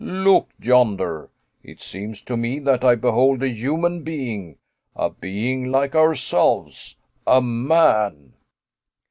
look yonder! It seems to me that I behold a human being a being like ourselves a man!"